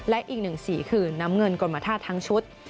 และอีกหนึ่งสีคือน้ำเงินกรมธาตุทั้งชุด